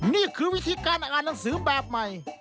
นี่คือวิธีการอ่านหนังสือแบบใหม่